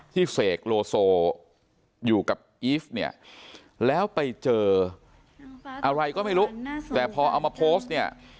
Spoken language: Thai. เสกโลโซอยู่กับอีฟเนี่ยแล้วไปเจออะไรก็ไม่รู้แต่พอเอามาโพสต์เนี่ย